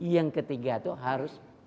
yang ketiga itu harus